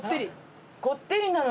こってり。